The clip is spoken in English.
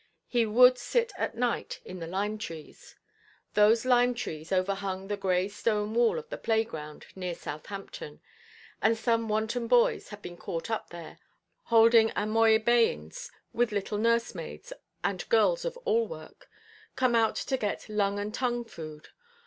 He would sit at night in the lime–trees. Those lime–trees overhung the grey stone wall of the playground near Southampton; and some wanton boys had been caught up there, holding amoibæans with little nursemaids and girls of all work, come out to get lung–and–tongue food.